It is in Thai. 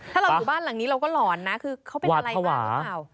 ถ้าเราอยู่บ้านหลังนี้เราก็หลอนนะคือเขาเป็นอะไรมาหรือเปล่า